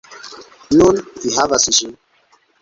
Nun, vi havas ĝin.